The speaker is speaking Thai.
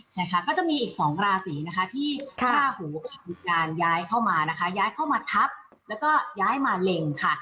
ใช่ค่ะก็จะมีอีก๒ราศีนะคะที่ราหูมีการย้ายเข้ามานะคะย้ายเข้ามาทับแล้วก็ย้ายมาเล็งค่ะ